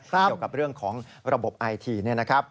เกี่ยวกับเรื่องของระบบไอทีเนี่ยนะครับ